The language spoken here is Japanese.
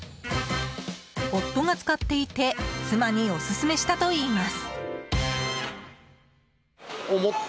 夫が使っていて妻にオススメしたといいます。